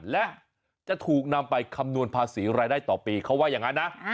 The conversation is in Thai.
และจะถูกนำไปคำนวณภาษีรายได้ต่อปีเขาว่าอย่างนั้นนะ